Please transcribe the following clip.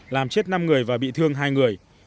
làm chết năm người và bị thương hai người